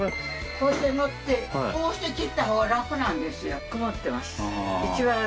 こうして乗ってこうして切ったほうが楽なんですよ。